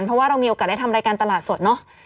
เพราะว่าเรามีโอกาสได้ทำรายการตลาดสดเนาะ